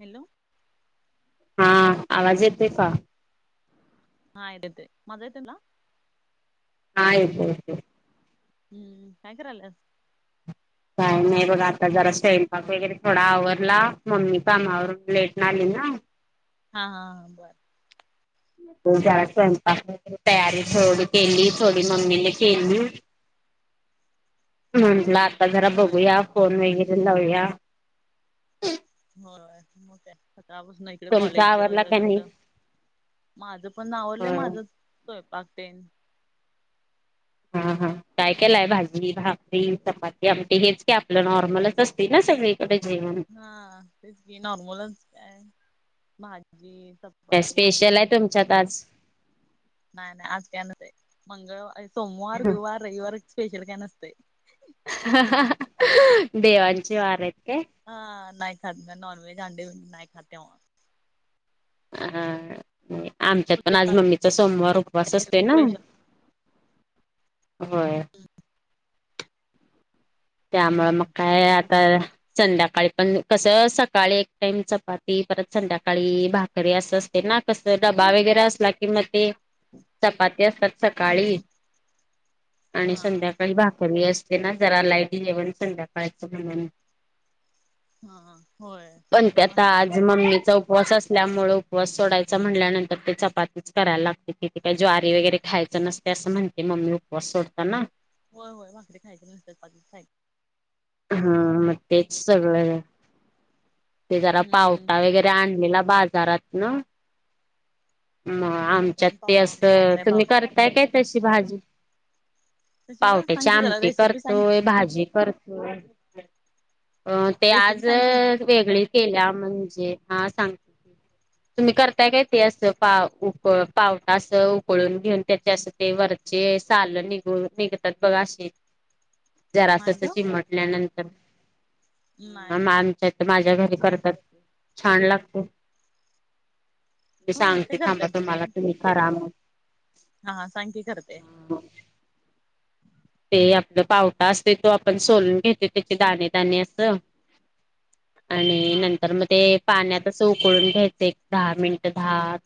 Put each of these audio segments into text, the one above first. Hello. हा आवाज येते का? हा येतंय, माझा येतय तुला? हा येतोय, येतोय. हम्म काय करायलीयास? काही नाही बघा आता जरा स्वयंपाक वगैरे थोडा आवरला, मम्मी कामावरून लेटनं आली ना. हा हा हा बर. ज्या स्वयंपा तयारी थोडी केली, थोडी मम्मीने केली. म्हंटलं आता जरा होय बघूया, फोन वगैरे लावूया. हो मग काय सकाळपासन हाईत. तिकडे तुमचा आवरला कॉलेजच का नाही? तिकडं माझं पण आवरलंय होय. माझं स्वयंपाक तेन. हा हा काय केलाय भाजी भाकरी चपाती आमटी हेच के आपलं नॉर्मलच असते ना सगळी. कडे जेवण हा तेच की नॉर्मलच काय भीजी सप काय स्पेशल आहे तुमच्यात आज. नाही नाही आज काय नसते, मंगळवार सोमवार गुरुवार रविवार स्पेशल काय नसते. ह ह ह. देवांची वारं आहेत काय? हा नाही खात. नॉनवेज आंडी नाही खात तेव्हा. अहं आमच्यात पण आज मम्मीचा सोमवार उपवास असतय ना. स्पेशल होय. त्यामुळं मग काय आता संध्याकाळी पण कसं सकाळी एक टाइम चपाती, परत संध्याकाळी भाकरी असं असते ना. तर कसं डबा वगैरे असला की म ते चपाती असत्यात सकाळी हम्म आणि हा संध्या काही भाकरी असते ना जरा लाईट जेवण संध्याकाळचं म्हणून. हा होय पण मग काय त्यात भाकरी आज जरा मम्मीचा उप उपवास असल्यामुळं उपवास सोडायचा म्हनल्यानंतर ते चपातीच करायला लागती. तिथे काय ज्वारी वगैरे खायचं नसतं. ती असं म्हणते मम्मी उपवास सोडताना. होय होय भाकरी खायचे नुसतं. [unintelligible] हा तेच सगळं आहे. ते जरा हम्म पावटा हम्म वगैरे आणलेला बाजारातन. मग कसं आमच्यात करताय पाव ते आंबे काय असं काय तुम्ही पावडतं करताय काय तशी भाजी? कशी ग पावट्याची सांग की जरा आमटी रेसिपी सांग करतोय, भाजी करतोय. अ ते रेसिपी आज सांग की वेगळी केल्या म्हणजे हा सांगते तुम्ही करताय काय ते असं पाव उक पावटा अस उकळून घेऊन त्याचे असं ते वरचे साल निघून निघतात बघ अशे. नाही जरासस ग चिमटल्यानंतर नाही मग‌ नाही आमच्या इथे माझ्या घरी तशी नाही करतात करत छान लागत. मी होय ते सांगते थांबा तुम्हाला करतात तुम्ही करा मग. हा सांग की करते. ते आपलं पावटा असतोय तो आपण सोलून घेते त्याचे दाणे दाणे असं. आणि हा नंतर मग ते पाण्यात असं उकळून घ्यायचं एक दहा मिनिटं दहा.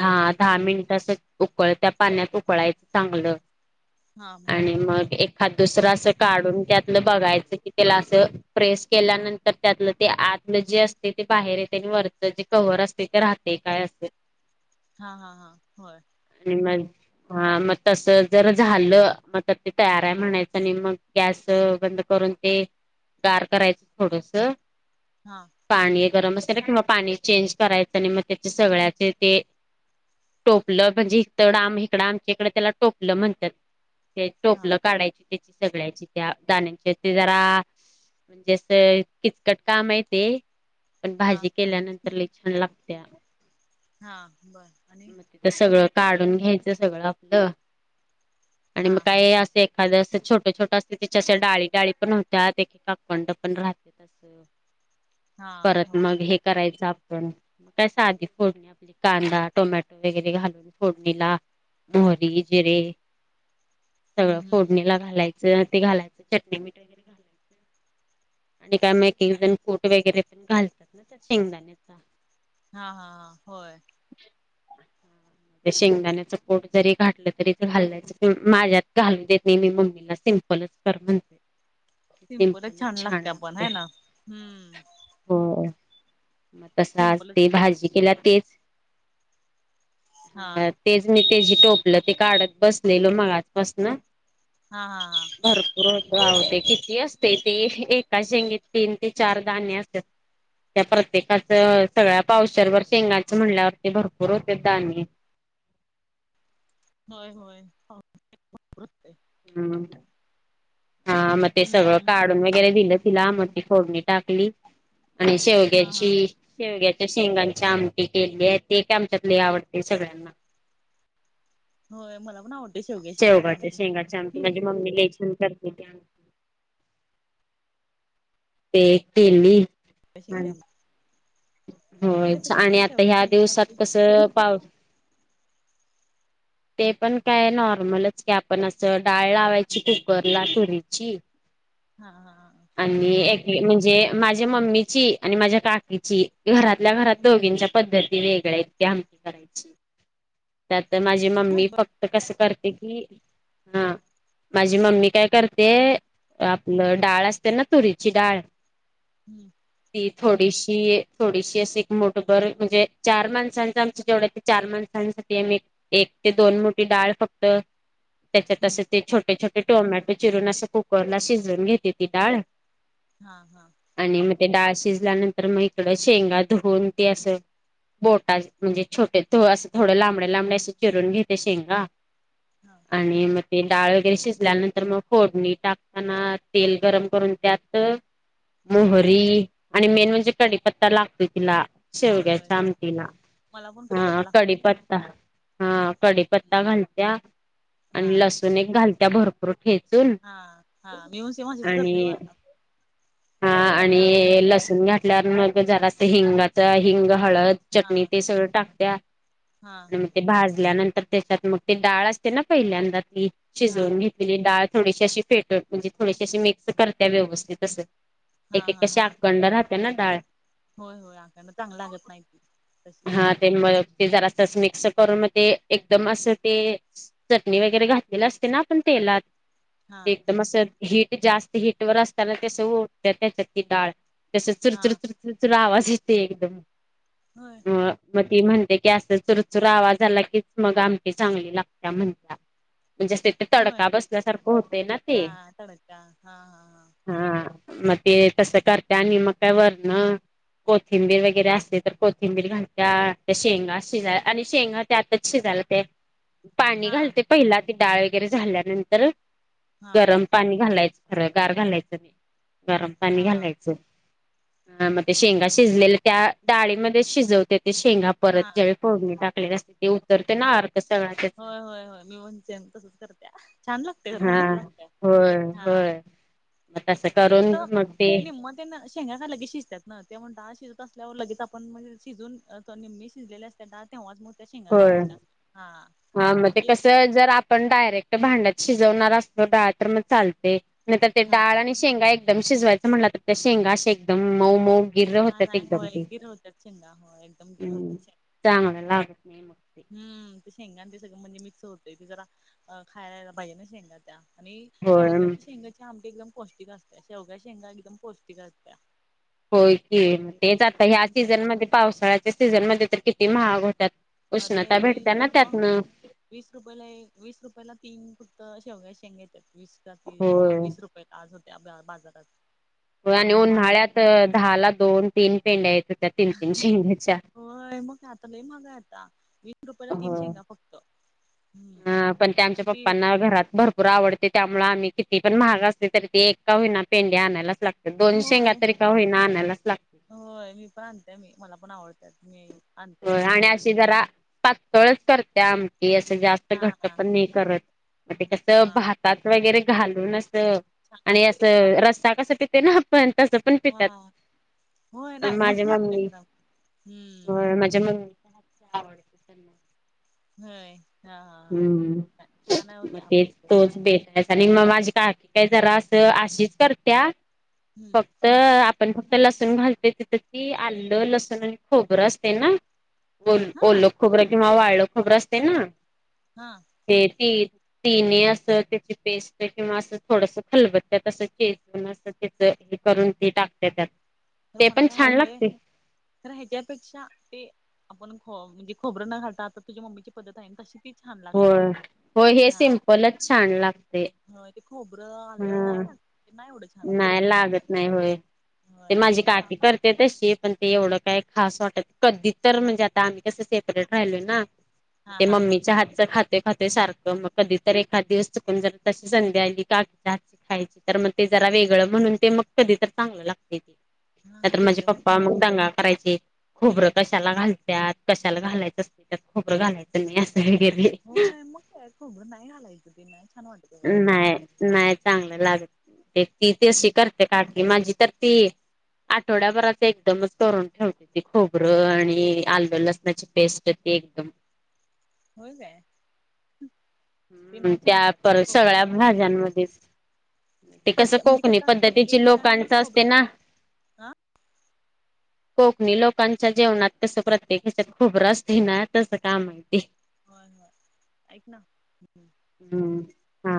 हा दहा मिनिट असं उकळत्या पाण्यात उकळायचं चांगलं. हा आणि मग एखादं दुसरं बर असं काढून त्यातलं बघायचं की त्याला असं प्रेस केल्यानंतर त्यातलं ते आतलं जे असतय ते बाहेर येतय आणि वरच जे कव्हर असतय ते राहते काय असते हा हा हा होय. आणि मग हा मग तस जर झालं मग आत्ता तेच तयार आहे म्हणायचं आणि मग गॅस बंद करून ते गार करायचं थोडसं. हा. पाणी गरम असायला किंवा पाणी चेंज करायचं आणि मग त्याचे सगळ्याचे ते टोपलं म्हणजे इतड आम इकडं आमच्या इकडं त्याला टोपलं म्हणत्यात. ते हा टोपलं काढायची त्याची सगळ्याची त्या दाण्याची ते जरा म्हणजे अस किचकट काम आहे ते, पण हा भाजी होयच की केल्यानंतर लई छान लागतेय. हा बर. आणि? तिथं सगळं काढून घ्यायचं सगळं आपलं आणि हा मग काय असं एक एखादं असं छोटे-छोटं असते त्याच्याेस डाळी डाळी पण होतात एकेकाकंड पण राहते तसे. हे ओ हा परत होय मग हे करायचं आपण काय साधी फोडणी कांदा टोमॅटो वगैरे घालून फोडणीला मोहरी, जिरे हम्म सगळं हम्म फोडणीला घालायचं ते घालायचं चटणी मीठ वगैरे. घालायचं आणि काय मैकी जण कोट वगैरे पण घालत्यात ना त्या शेंगदाण्याचा. हा हा हां होय. ते शेंगदाण्याच कोट जरी घातलं तरी ते घाललं माझ्यात घालून देत नाही मी, मम्मीला सिम्पलच कर म्हणतोय. सिम्पलच छान लागते पण आहे ना हम्म. होय मग तसं आज सिम्पलच ते भाजी केल्या तेच. हा तेच मी ते जी टोपलं ते काढत बसलेलो मगाच पसन. हा हा हा. भरपूर हो गावते किती असते ते एका शेंगीत तीन ते चार गाणे असं त्या त्या प्रत्येकाचं सगळ्या पावशेरभर शेंगाच म्हणल्यावर ते भरपूर होतंय दाणे. होय होय हा. वृतय हम्.. हा मग ते सगळं हम्म काढून वगैरे दिलं, तिला मग ती फोडणी टाकली. आणि हा शेवग्याची. हा शेवग्याच्या शेंगांची आमटी केली आहे ते काय आमच्यातले आवडते सगळ्यांना. होय मला पण आवड शेवगाचे शेंगाचे आमटी म्हजे मम्मी लई छान करते त्या. ते केली [unintelligible] ते होय कसं छान आणि करतात आता शेवग्या ह्या शेंगाची दिवसात आमटी कसं पाव ते पण काय नॉर्मलच की, आपण असं डाळ लावायची कुकरला तुरीची. [inaudible] हा हा हा होय. हे म्हणजे माझ्या मम्मीची आणि माझ्या काकीची. घरातल्या घरात दोघींच्या पद्धती वेगळ्या इतक्या [unintelligible] करायची. त्यात माझी मम्मी फक्त कसं करते की हा. माझी मम्मी काय करते आपलं डाळ असते ना तुरीची डाळ हम्म. ती थोडीशी थोडीशी एक मोठभर म्हणजे चार माणसांचं आमच्या जेवढ आहे ते चार माणसांसाठी आम्ही एक ते दोन मोठी डाळ फक्तं, तेच्यात हम्म असं ते छोटे छोटे. ते टोमॅटो चिरून असं कुकरला शिजवून घेते ती डाळ. हा हा. आणि म ते डाळ शिजल्यानंतर म इकडं शेंगा धुऊन ते असं बोटा म्हणजे छोटे असं थोडं लांबडे लांबडे असं चिरून घेते शेंगा. हां. आणि मग ते डाळ वगैरे शिजल्यानंतर मग फोडणी टाकताना तेल गरम करून त्यात मोहरी आणि मेन म्हणजे कढीपत्ता लागतोय तिला. होय होय शेवग्याच्या आमटीला कढीपत्ता मला पण हा कढीपत्ता लागतोय कडीपत्ता. हा कडीपत्ता घालत्या हा आणि लसूण एक घालत्या भरपूर. ठेचून हा हा मी पण सेम अशीच करते आणि हा हा हा आणि लसुण घा ल्या मग झाला तर हिंगाच हिंग हळद हा चटणी ते सगळं टाकत्या. हा आणि मग ते भाजल्यानंतर त्याच्यात मग ती डाळ असते ना पहिल्यांदा ती हा शिजवून घेत पीली डाळ थोडीशी अशी फेटत म्हणजे थोडीशी अशी मिक्स करत्या व्यवस्थित असं. हा एक एक काशी हा अखंड राहते ना डाळ. होय होय आकण चांग लागत नाहीती तशी. हा तेन म ते जरा असच मिक्स करून म ते एकदम असं ते चटणी वगैरे घातलेला असते ना आपण तेलात हा ते एकदम असं हीट जास्त हिट वर असताना ते [unintelligible] ती डाळ. कसं चुरचुर हा चुरचुरचुर आवाज येते एकदम. होय. म ती म्हणते की असं चुरचुरा आवाज आला की मग आमटी चांगली लागत्या म्हणत्या. म्हणजे असते ते होय तडका बसल्यासारखं होतंय ना ते. हा तडका हा हा हा म ते तसं करते आणि मग काय वरनं कोथिंबीर वगैरे असते तर कोथिंबीर घालत्या त्या शेंगा शिजाय आणि शेंगा त्या आतच शिजाला ते पाणी हा घालते पहिला ती डाळ वगैरे झाल्यानंतर हा गरम पाणी घालायचं खरं गार घालायचं नाही गरम पाणी हा हा घालायचं. ह म ते शेंगा शिजलेले त्या डाळीमध्ये शिजवते ते शेंगा परत हा ज्या फोडणी टाकले असते ते उतरते ना अर्क सगळ्या त्या होय होय होय मी म्हणच्यान तसच करत्या छान लागते गरम हा मस्त लागत्या होय हा. होय मग तसं मी करून कसं मग ते हे निम्म त्यांना शेंगा काय लगीच शिजत्यात ना त्यामुळं डाळ शिजत असल्यावर लगेच आपण, मग शिजवून तर निम्मी शिजलेली असत्या डाळ तेव्हाच म त्या शेंगा घालायचा हा. तर जर आपण डायरेक्ट भांड्यात शिजवणार असतो डाळ तर मग चालते नाय तर ते हा डाळ आणि शेंगा एकदम शिजवायचं म्हणलं तर ते शेंगा अशे अशे एकदम मऊ मऊ गिर्र हा होतात नाय एकदम होय ते गिर होत्यात शेंगा हो एकदम गिर होतं शेंग. त्यामुळे लागत नाहीे. [inaudible] हम्म ते शेंगा ते सगळं म्हणजे मिक्स होतय ते जरा अ खायलाला पाहिजे ना शेंगा त्या. आणि होय शेवग्याची शेंगाची आमटी एकदम पौष्टिक असते शेवग्या शेंगा एकदम पौष्टिक असत्या. होय की पौष्टिक तेच असत्या आता ह्या हम्म सीझनमध्ये पावसाळ्याच्या सीझनमध्ये तर किती महाग होत्यात. अरे उष्णता ती भेटत्या ना मग त्यातनं. वीस रुपयाला एक वीस रुपयाला तीन फक्त शेवगाच्या शेंगा येत्यात. वीस का ती होय. हा वीस रुपयला. आज होत्या बा बाजारात. हो आणि भरपूर महाग आहेत. उन्हाळ्यात दहा ला दोन तीन पेंड्या येत होत्या तीन तीन शेंग्याच्या. होय मग काय आता लय महाग आहे आता वी होय हम्म हा पण त्या आमच्या आणि ते पप्पांना घरात भर तुरा आवडते त्यामुळे आम्ही किती पण महाग असले तरी ते एक का होईना पेंडे आणायलाच लाग दोन शेंगा होय तरी का होईना आणायलाच लाग होय मी पण आणते मी मला पण आवडत मी आणते होय शेंगा आणि अशी जरा पातळच करते आम की असं जास्त हा घट्ट हा पण नाही करत म तेे कसं हा भातात वगैरे घालून असं छान आणि लागतय असं रस्ता कसं पिते ना आपण तसं पण हा होय पितात नाही माझ्या मस्त अम लागतय मम्मी खरं हम्म होय मा ज्या मग आवड [inaudible] होय हा हा हम्म. हा. छान मग होतं आमटी तेच पटकन. [unintelligible] आणि मग माझी काकी काय जरा असं अशीच करत्या हम्म फक्त मग आपण ते लसूण घालते तिथं ती आलं, लसूण आणि खोबरं असते ना ओल हा ओल्लं खोबरं किंवा वाळलं खोबरं असते ना हा. ते ती तिने असं त्याची पेस्ट किंवा असं थोडसा खलबत्यात असं चेज म असं हे करून ते टाकते त्यात तर ते मला पण काय छान वाटतंय लागते तर ह्याच्यापेक्षा ते आपण ख म्हणजे खोबरं न घालता आता तुझ्या मम्मीची पद्धत आहे आणि तशी ती छान लागते होय होय हे सिमपलच छान लागते. ह ते खोबरं, ह आलं नाही टाकते नाही आवडत. नाही लागत नाही होय ते होय हे माझी हा काकी कर ते तशी पण ते एवढं काय खास वाटत कधी तर म्हणजे आता आम्ही कसं सेपरेट राहिलोय ना हा ते हा हा मम्मीच्या हात खाते खाते सारखं मग कधी तर एखाद दिवस चुकून जर तशी संधी आली का आत्या खायची तर मग ते जरा वेगळं म्हणून ते मग कधी तर चांगलं लागतय नाही हा तर ते माझे वेगळं पप्पा म्हणतात म दंगा करायची खोबरं कशाला घालतत कशाला घालायचं अस त्यात खोबरं घालायचं नाही असत हे गेले होय मग काय खोबरं नाही घालायचं ते नाही छान वाटत एवढं असं नाही नाही चांगलं लागत तिथशी कर ते काकी माझी तर ती आठवड्याभराच एकदमच करून ठेवते ती खोबरं आणि आल्लं लसणाची पेस्ट ती एकदम होय काय. ते हम्म नाही छान त्या लागत पर सगळ्या खोबरं भाज्यांमध्ये. ते कसं प्रत्ये म्हणजे कोकणी कसं असतं एक पद्धतीची एक ठिकाणी लोकांचं असतय खोबरं ना. हा कोकणी लोकांच्या जेवणात तस प्रत्येक ह्यच्यात खोबरं असते ना तसं कसं का माहिती होय, होय ऐक ना हम्म हा